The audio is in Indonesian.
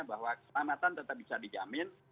bahwa keselamatan tetap bisa dijamin